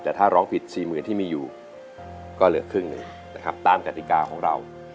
แต่ถ้าร้องผิด๔๐๐๐ที่มีอยู่ก็เหลือครึ่งหนึ่งนะครับตามกติกาของเรา